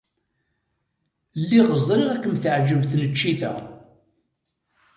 Lliɣ ẓriɣ ad kem-teɛjeb tneččit-a.